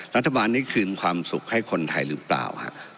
รัฐบาลนี้คืนความสุขให้คนไทยหรือเปล่า